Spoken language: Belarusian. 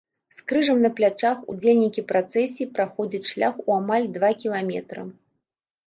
З крыжам на плячах удзельнікі працэсіі праходзяць шлях у амаль два кіламетры.